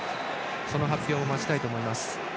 その発表を待ちたいと思います。